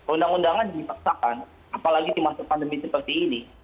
undang undangan dipaksakan apalagi di masa pandemi seperti ini